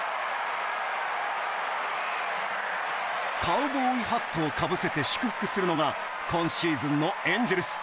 カウボーイハットをかぶせて祝福するのが今シーズンのエンジェルス。